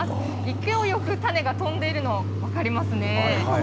勢いよく種が飛んでいるの、分かりますね。